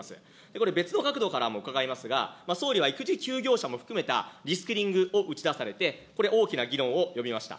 これ、別の角度から伺いますが、総理は育児休業者も含めたリスキリングを打ち出されて、これ、大きな議論を呼びました。